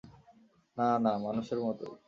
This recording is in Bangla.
না, না, মানুষের মতোই।